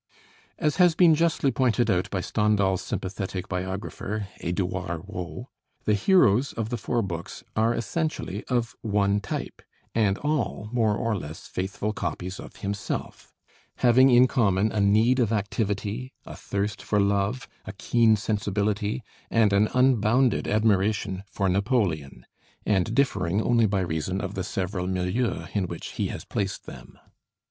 As has been justly pointed out by Stendhal's sympathetic biographer, Edouard Rod, the heroes of the four books are essentially of one type, and all more or less faithful copies of himself; having in common a need of activity, a thirst for love, a keen sensibility, and an unbounded admiration for Napoleon and differing only by reason of the several milieus in which he has placed them.